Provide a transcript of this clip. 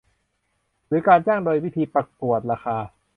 หรือการจ้างโดยวิธีประกวดราคา